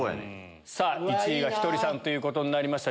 さぁ１位がひとりさんということになりました。